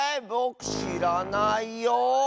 ぼくしらないよ。